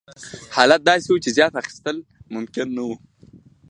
حالت داسې و چې زیات اخیستل ممکن نه وو.